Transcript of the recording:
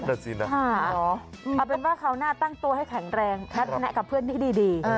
เอาเป็นว่าเขาน่าตั้งตัวให้แข็งแรงและแนะกับเพื่อนที่ดี